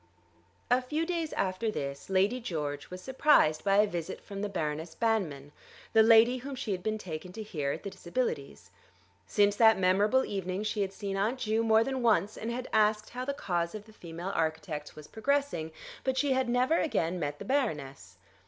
A few days after this Lady George was surprised by a visit from the Baroness Banmann, the lady whom she had been taken to hear at the Disabilities. Since that memorable evening she had seen Aunt Ju more than once, and had asked how the cause of the female architects was progressing; but she had never again met the Baroness.